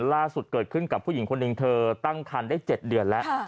ล่าสุดเกิดขึ้นกับผู้หญิงคนหนึ่งเธอตั้งคันได้๗เดือนแล้ว